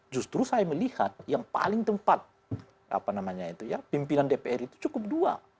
justru saya melihat yang paling tempat pimpinan dpr itu cukup dua